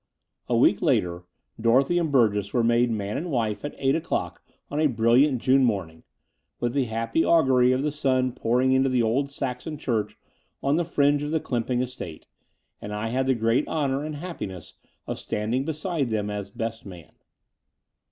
XIX A week later Dorothy and Burgess were made man and wife at eight o'clock on a brilliant Jime morning, with the happy augury of the stm pouring into the old Saxon church on the fringe of the Clymping estate; and I had the great honour and happiness of standing beside them as *'best man."